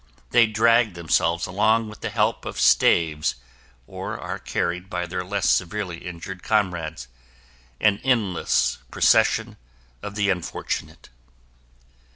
They drag themselves along with the help of staves or are carried by their less severely injured comrades...an endless procession of the unfortunate.